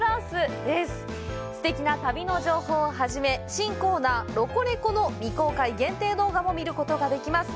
すてきな旅の情報を初め新コーナー「ロコレコ！」の未公開、限定動画も見ることができます！